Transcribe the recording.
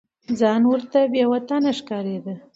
ځان ورته بې وطنه ښکارېده.